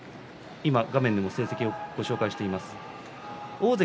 画面でも成績をご紹介しています。